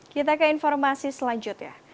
kita ke informasi selanjutnya